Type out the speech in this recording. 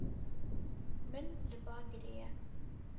Min li ba kiriye.